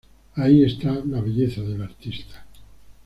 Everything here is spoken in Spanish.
Ahí está la belleza del artista.